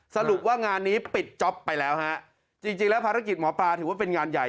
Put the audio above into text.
สรุปว่างานนี้ปิดจ๊อปไปแล้วฮะจริงแล้วภารกิจหมอปลาถือว่าเป็นงานใหญ่